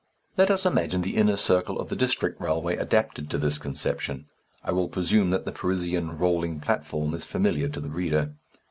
Let us imagine the inner circle of the district railway adapted to this conception. I will presume that the Parisian "rolling platform" is familiar to the reader.